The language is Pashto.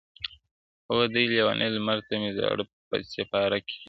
o دې لېوني لمر ته مي زړه په سېپاره کي کيښود.